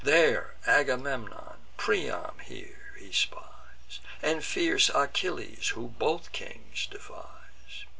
There Agamemnon, Priam here, he spies, And fierce Achilles, who both kings defies.